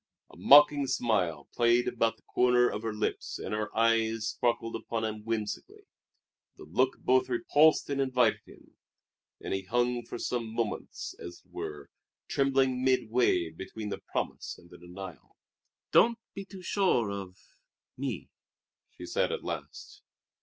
A mocking smile played about the corners of her lips and her eyes sparkled upon him whimsically. The look both repulsed and invited him; and he hung for some moments, as it were, trembling midway between the promise and the denial. "Don't be too sure of me!" she said at last.